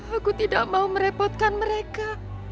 aku tidak mau merepotkan mereka